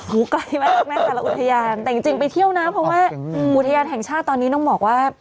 อยู่ไกลแล้วอุทยานแต่จริงประซับของที่ไปเที่ยวนะเพราะว่าอุทยานแห่งชาติตอนนี้ต้องบอกว่า